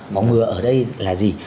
phòng ngừa ở đây là gì